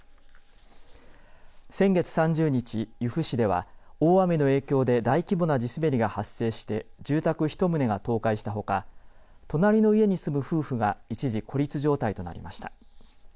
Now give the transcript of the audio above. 先月３０日、由布市では大雨の影響で大規模な地滑りが発生して住宅１棟が倒壊したほか隣の家に住む夫婦が一時、孤立状態となりました。